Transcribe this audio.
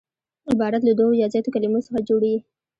عبارت له دوو یا زیاتو کليمو څخه جوړ يي.